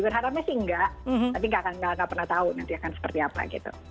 berharapnya sih enggak tapi nggak pernah tahu nanti akan seperti apa gitu